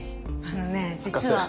あのね実は。